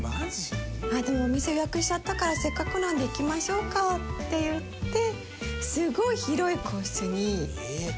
「でもお店予約しちゃったからせっかくなんで行きましょうか」って言って。